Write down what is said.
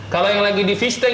kalau yang lagi di fish tank